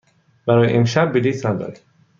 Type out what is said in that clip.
برای امشب بلیط نداریم.